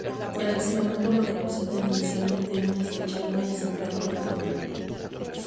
El excremento lo depositan inicialmente en una estrecha línea central continua.